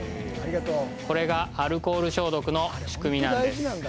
これがアルコール消毒の仕組みなんです